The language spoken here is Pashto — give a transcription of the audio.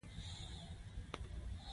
د غصې کنټرول لارې